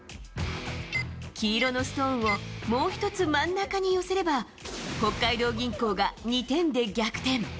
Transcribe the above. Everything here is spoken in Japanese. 黄色のストーンをもう１つ真ん中に寄せれば北海道銀行が２点で逆転。